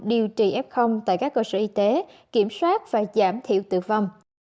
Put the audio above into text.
điều trị f tại các cơ sở y tế kiểm soát và giảm thiểu tử vong